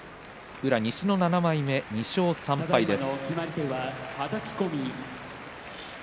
宇良、西の７枚目、２勝３敗です。